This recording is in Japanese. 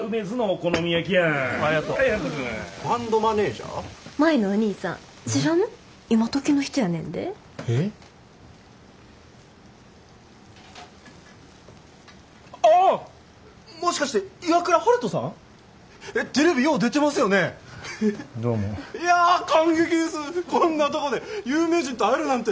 こんなとこで有名人と会えるなんて。